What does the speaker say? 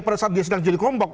pada saat dia sedang jadi kelompok